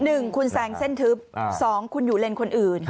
หนึ่งคุณแซงเส้นทึบสองคุณอยู่เลนคนอื่น